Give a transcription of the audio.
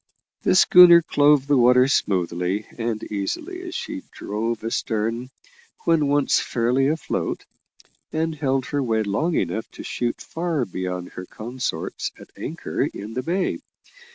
The schooner clove the water smoothly and easily as she drove astern when once fairly afloat, and held her way long enough to shoot far beyond her consorts at anchor in the bay.